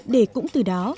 để cũng từ đó